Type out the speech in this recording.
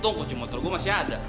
tunggu kunci motor gue masih ada